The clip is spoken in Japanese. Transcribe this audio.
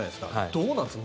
どうなんですか？